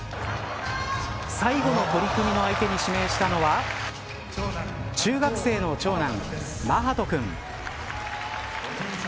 最後の取り組みの相手に指名したのは中学生の長男、眞羽人君。